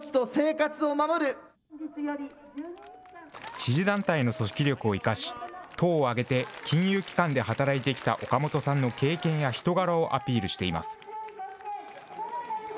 支持団体の組織力を生かし、党を挙げて金融機関で働いてきた岡本さんの経験や人柄をアピールしています。